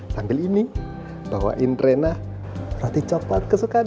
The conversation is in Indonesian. sambil ini bawain rena roti coklat kesukaan rena